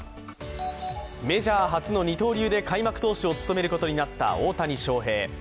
メジャー初の二刀流で開幕投手を務めることになった大谷翔平。